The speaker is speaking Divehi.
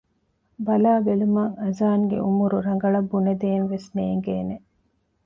ބަލާ ބެލުމަށް އަޒާން ގެ އުމުރު ރަނގަޅަށް ބުނެދޭން ވެސް ނޭނގޭނެ